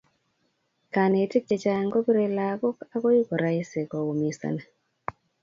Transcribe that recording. kanetik chechang kopire I lakok akoi koraisi koumisani